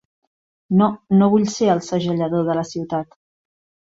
No, no vull ser el segellador de la ciutat.